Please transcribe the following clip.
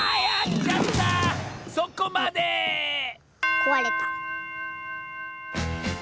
こわれた。